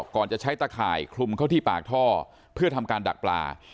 ก่อนจะใช้ตะข่ายคลุมเข้าที่ปากท่อเพื่อทำการดักปลา